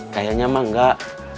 kayanya mah enggak